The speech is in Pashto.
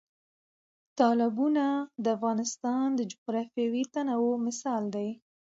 تالابونه د افغانستان د جغرافیوي تنوع مثال دی.